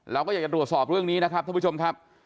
เราก็อยากจะตรวจสอบเรื่องนี้นะครับท่านผู้ชมครับ